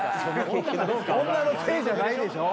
女のせいじゃないでしょ。